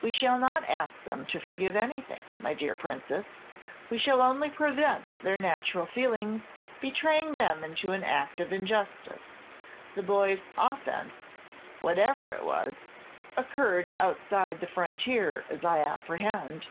"We shall not ask them to forgive anything, my dear Princess. We shall only prevent their natural feelings betraying them into an act of injustice. The boy's offence, whatever it was, occurred outside the frontier, as I apprehend."